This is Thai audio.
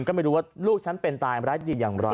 ก็ไม่รู้ว่าลูกฉันเป็นตายร้ายดีอย่างไร